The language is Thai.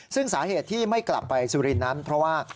ซึ่งสาเหตุที่ไม่กลับไปสุรินทร์นั้นเพราะว่า